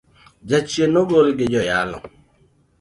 Jachien no gol gi joyalo.